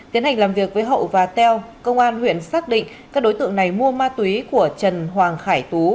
tiến hành làm việc với hậu và teo công an huyện xác định các đối tượng này mua ma túy của trần hoàng khải tú